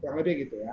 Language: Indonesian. kurang lebih gitu ya